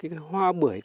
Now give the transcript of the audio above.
cái hoa bưởi